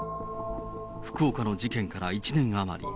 福岡の事件から１年余り。